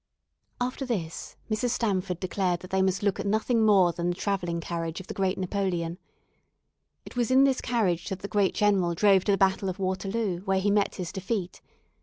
After this Mrs. Stamford declared that they must look at nothing more than the travelling carriage of the great Napoleon. It was in this carriage that the great general drove to the Battle of Waterloo, where he met his defeat.